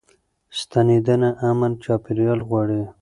ستنېدنه امن چاپيريال غواړي.